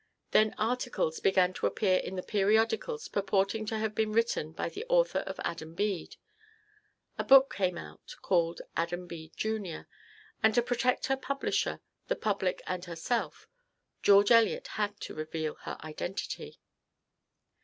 Then articles began to appear in the periodicals purporting to have been written by the author of "Adam Bede." A book came out called "Adam Bede, Jr.," and to protect her publisher, the public and herself, George Eliot had to reveal her identity.